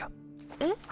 えっ？